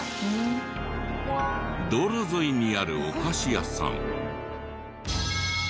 道路沿いにあるお菓子屋さん。